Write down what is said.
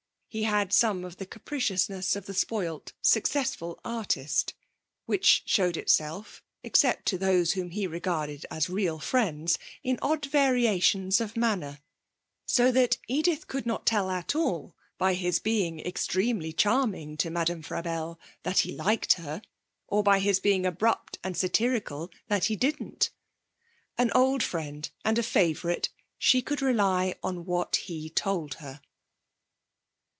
He had some of the capriciousness of the spoilt, successful artist, which showed itself, except to those whom he regarded as real friends, in odd variations of manner, so that Edith could not tell at all by his being extremely charming to Madame Frabelle that he liked her, or by his being abrupt and satirical that he didn't. An old friend and a favourite, she could rely on what he told her.